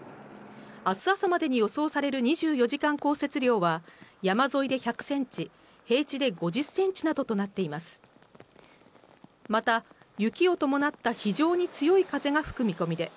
明日朝までに予想される２４時間降雪量は山沿いで１００センチ、平地で５０センチなどとなっています。